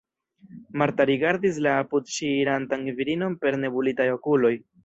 Marta rigardis la apud ŝi irantan virinon per nebulitaj okuloj.